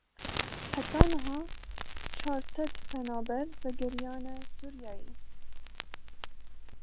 Heta niha çar sed penaber vegeriyane Sûriyeyê.